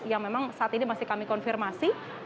yang memang saat ini masih kami konfirmasi